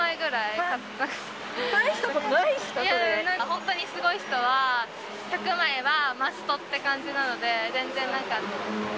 そ本当にすごい人は、１００枚はマストいう感じなので、全然なんか。